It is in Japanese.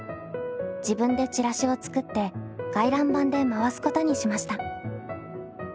自分でチラシを作って回覧板で回すことにしました。